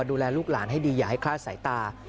ดูแลลูกหลานให้ดีอย่าให้คลาดสายตา